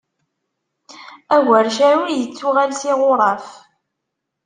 Agercal ur ittuɣal s iɣuṛaf.